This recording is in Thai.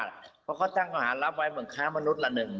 เพราะเขาตั้งข้อหารับไว้เหมือนค้ามนุษย์ละหนึ่ง